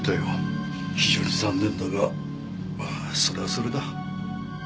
非常に残念だがまあそれはそれだ。